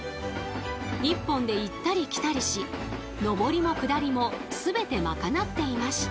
１本で行ったり来たりし上りも下りも全て賄っていました。